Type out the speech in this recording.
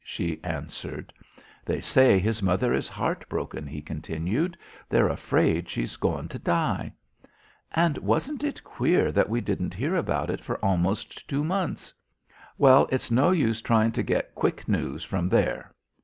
she answered. "They say his mother is heart broken," he continued. "They're afraid she's goin' to die." "And wasn't it queer that we didn't hear about it for almost two months?" "Well, it's no use tryin' to git quick news from there."